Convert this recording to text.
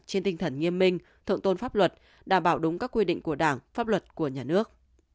trên tinh thần nghiêm minh thượng tôn pháp luật đảm bảo đúng các quy định của đảng pháp luật của nhà nước